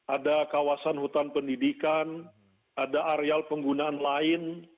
ada kawasan hutan pendidikan ada areal penggunaan lain